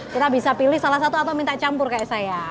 kita bisa pilih salah satu atau minta campur kayak saya